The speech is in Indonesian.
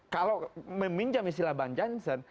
kalau meminjam istilah bang jansen